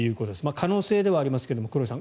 可能性ではありますが、黒井さん